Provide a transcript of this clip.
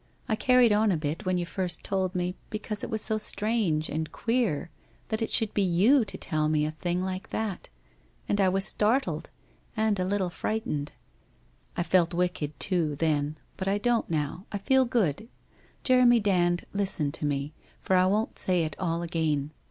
I carried on a bit when you first told me, because it was so strange and queer that it should be you to tell me a thing like that, and I was startled and a little frightened. I felt wicked, too, then, but I don't now. I feel good. Jeremy Dand, listen to me, for I won't say it all again.